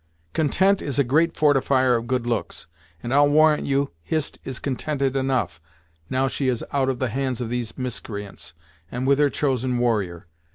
Content is a great fortifier of good looks, and I'll warrant you, Hist is contented enough, now she is out of the hands of these miscreants, and with her chosen warrior!